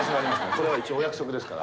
これは一応お約束ですから。